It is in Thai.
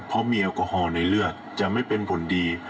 เพราะมีแอลกอฮอลในเลือดจะไม่เป็นผลดี